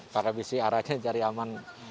karena pcr aja cari aman